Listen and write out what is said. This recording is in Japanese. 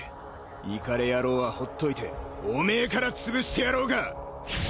イカれ野郎はほっといてオメエから潰してやろうか！